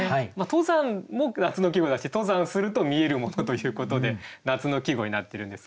「登山」も夏の季語だし登山すると見えるものということで夏の季語になってるんですけれど。